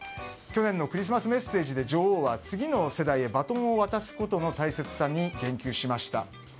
去年のクリスマスメッセージで女王は次の世代へバトンを渡すことの大切さに言及しました。